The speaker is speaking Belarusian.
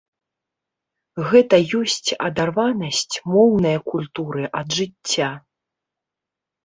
Гэта ёсць адарванасць моўнае культуры ад жыцця.